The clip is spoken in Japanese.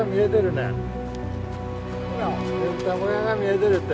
ねぶた小屋が見えてるって。